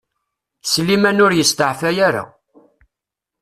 Sliman ur yesteɛfay ara.